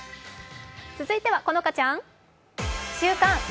続いては好花ちゃん。